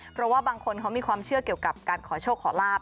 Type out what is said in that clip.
เพราะว่าบางคนเขามีความเชื่อเกี่ยวกับการขอโชคขอลาบ